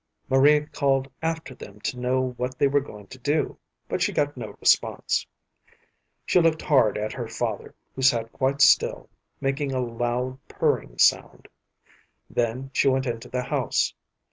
Maria called after them to know what they were going to do, but she got no response. She looked hard at her father, who sat quite still, making a loud purring sound. Then she went into the house.